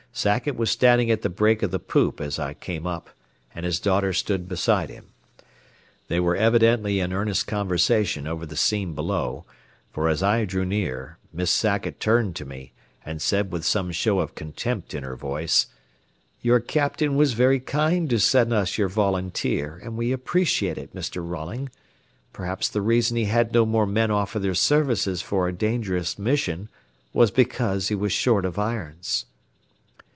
Sackett was standing at the break of the poop as I came up, and his daughter stood beside him. They were evidently in earnest conversation over the scene below, for as I drew near, Miss Sackett turned to me and said with some show of contempt in her voice: "Your captain was very kind to send us your volunteer, and we appreciate it, Mr. Rolling. Perhaps the reason he had no more men offer their services for a dangerous mission was because he was short of irons."